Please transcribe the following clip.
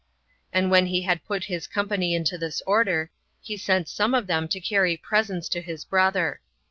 And when he had put his company in this order, he sent some of them to carry presents to his brother.